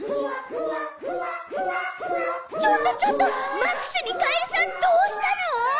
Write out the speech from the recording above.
ちょっとちょっとマックスにカエルさんどうしたの？